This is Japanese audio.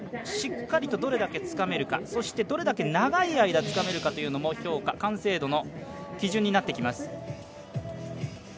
しっかりとどれだけつかめるか、そしてどれだけ長い間つかめるかというのも評価、完成度の基準になってきます。